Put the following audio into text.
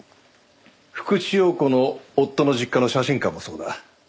福地陽子の夫の実家の写真館もそうだ。